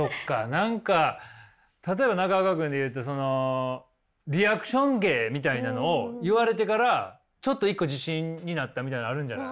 何か例えば中岡君で言うとそのリアクション芸みたいなのを言われてからちょっと一個自信になったみたいなのあるんじゃない？